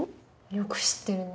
よく知ってるね。